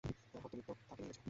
যাইহোক, তুমি তো তাকে নিয়ে গেছ।